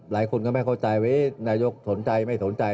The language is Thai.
หลายคนก็ไม่เข้าใจว่านายกสนใจไม่สนใจ